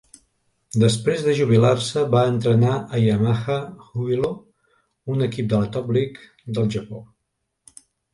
Després de jubilar-se, va entrenar a Yamaha Jubilo, un equip de la Top League del Japó.